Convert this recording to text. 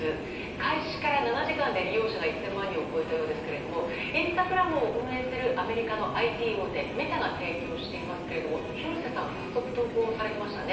開始から７時間で利用者が１０００万人を超えたようですがインスタグラムを運営するアメリカのＩＴ大手メタが提供していますが、廣瀬さん早速投稿されていましたね。